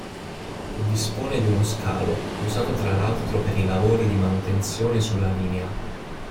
Dispone di uno scalo, usato tra l'altro per i lavori di manutenzione sulla linea.